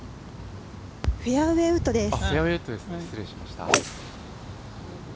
フェアウエーウッドです。